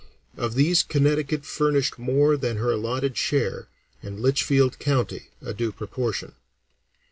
Of these Connecticut furnished more than her allotted share, and Litchfield County a due proportion.